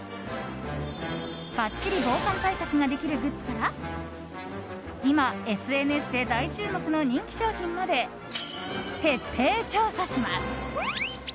ばっちり防寒対策ができるグッズから今、ＳＮＳで大注目の人気商品まで徹底調査します！